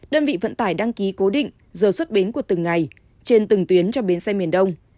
đơn vị vận tải đăng ký cố định giờ xuất bến của từng ngày trên từng tuyến cho bến xe miền đông